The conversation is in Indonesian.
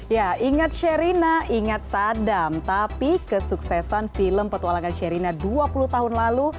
ya ingat sherina ingat sadam tapi kesuksesan film petualangan sherina dua puluh tahun lalu